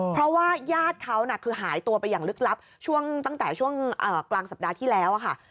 เพราะว่าญาติเขาน่ะคือหายตัวไปอย่างลึกลับช่วงตั้งแต่ช่วงกลางสัปดาห์ที่แล้วค่ะ